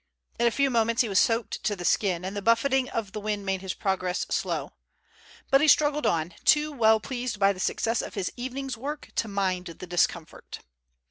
In a few moments he was soaked to the skin, and the buffeting of the wind made his progress slow. But he struggled on, too well pleased by the success of his evening's work to mind the discomfort.